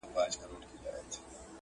پسو واخیست د مُلا چرګوړی خوله کي.